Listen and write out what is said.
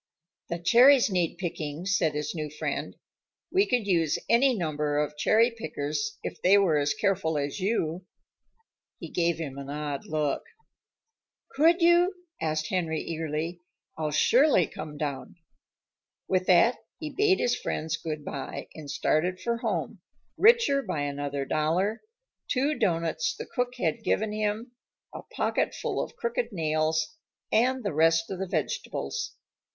"The cherries need picking," said his new friend. "We could use any number of cherry pickers, if they were as careful as you." He gave him an odd look. "Could you?" asked Henry eagerly. "I'll surely come down." With that, he bade his friends good by and started for home, richer by another dollar, two doughnuts the cook had given him, a pocket full of crooked nails, and the rest of the vegetables.